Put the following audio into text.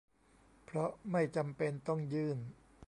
เพราะไม่จำเป็นต้องยื่น